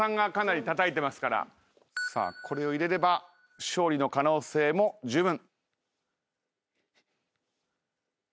さあこれを入れれば勝利の可能性もじゅうぶん。